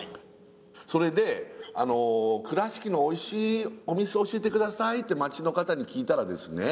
それであの倉敷のおいしいお店教えてくださいって町の方に聞いたらですね